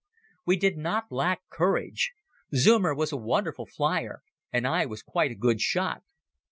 We did not lack courage. Zeumer was a wonderful flier and I was quite a good shot.